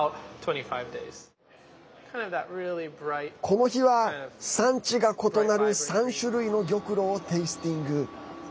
この日は産地が異なる３種類の玉露をテースティング。